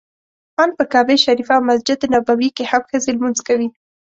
ان په کعبه شریفه او مسجد نبوي کې هم ښځې لمونځ کوي.